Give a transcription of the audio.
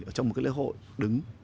ở trong một cái lễ hội đứng